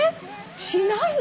しないの？